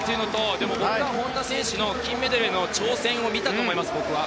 でも本多選手の金メダルへの挑戦を見たと思います、僕は。